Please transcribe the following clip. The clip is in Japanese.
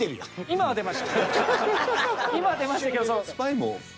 今は出ましたけど。